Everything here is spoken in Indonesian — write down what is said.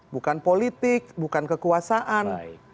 bukan politik bukan kekuasaan